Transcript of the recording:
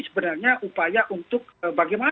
sebenarnya upaya untuk bagaimana